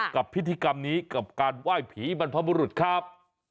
กับพิธีกรรมนี้กับการไหว้ผีบรรพบุรุษครับ